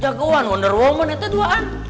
jagoan wonder woman itu duaan